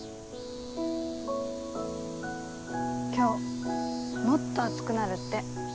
今日もっと暑くなるって。